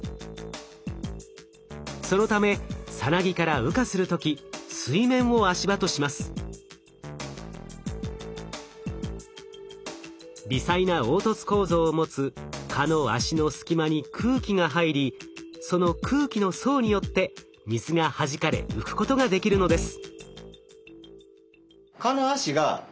そのためさなぎから微細な凹凸構造を持つ蚊の脚の隙間に空気が入りその空気の層によって水がはじかれ浮くことができるのです。